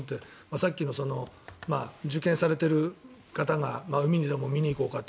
さっきの受験されてる方が海にでも見に行こうかって